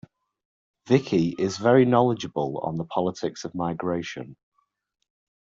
Vicky is very knowledgeable on the politics of migration.